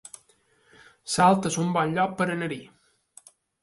Salt es un bon lloc per anar-hi